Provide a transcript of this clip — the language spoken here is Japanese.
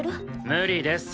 無理です。